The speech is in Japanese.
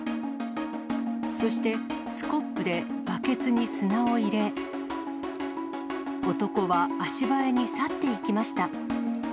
そして、スコップでバケツに砂を入れ、男は足早に去っていきました。